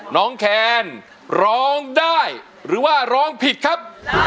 แคนร้องได้หรือว่าร้องผิดครับ